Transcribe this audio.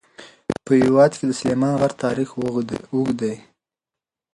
په هېواد کې د سلیمان غر تاریخ اوږد دی.